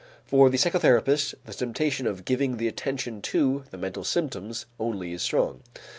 For the psychotherapist the temptation of giving the attention to the mental symptoms only is strong.